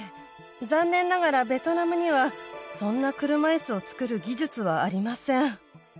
残念ながらベトナムにはそんな車いすを作る技術はありません